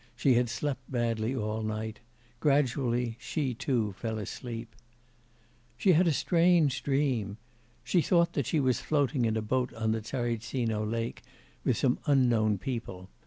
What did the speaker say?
She had slept badly all night; gradually she, too, fell asleep. She had a strange dream. She thought she was floating in a boat on the Tsaritsino lake with some unknown people.